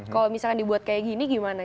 kalau misalnya dibuat kayak gini gimana